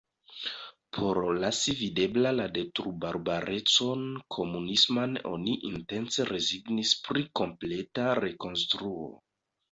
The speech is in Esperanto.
Por lasi videbla la detrubarbarecon komunisman oni intence rezignis pri kompleta rekonstruo.